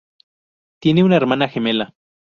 Tiene una hermana gemela.